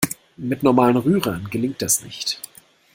Mit normalen Rührern gelingt das nicht.